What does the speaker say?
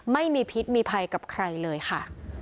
ไม่มีพิษมีภัยกับใครเลยค่ะ